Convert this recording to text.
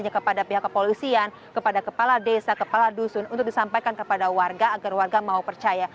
hanya kepada pihak kepolisian kepada kepala desa kepala dusun untuk disampaikan kepada warga agar warga mau percaya